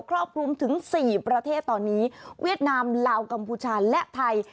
ครอบคลุมถึง๔ประเทศตอนนี้เวียดนามลาวกัมพูชาและไทย